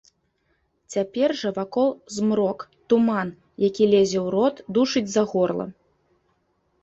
Цяпер жа вакол змрок, туман, які лезе ў рот, душыць за горла.